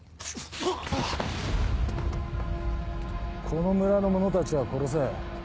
この村の者たちは殺せ。